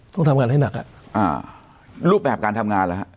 ต้องทำงานให้หนักอ่ะอ่ารูปแบบการทำงานเหรอฮะ